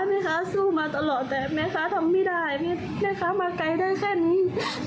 แม่ค้าสู้มาตลอดแต่แม่ค้าทำไม่ได้แม่ค้ามาไกลได้แค่นี้